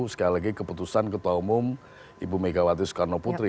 sekali lagi keputusan ketua umum ibu megawati soekarno putri